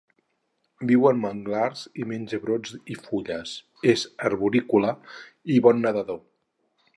Viu en manglars i menja brots i fulles, és arborícola i bon nedador.